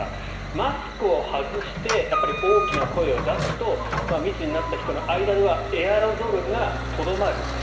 マスクを外して大きな声を出すと密になった人の間ではエアロゾルがとどまる。